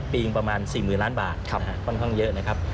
ปีประมาณ๔๐๐๐ล้านบาทค่อนข้างเยอะนะครับ